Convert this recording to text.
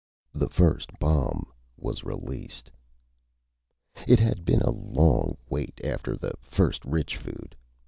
The first bomb was released. It had been a long wait after the first rich food.